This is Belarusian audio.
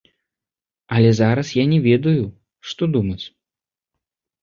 Але зараз я не ведаю, што думаць.